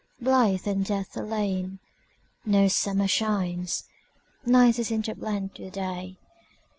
Blight and death alone.No summer shines. Night is interblent with Day.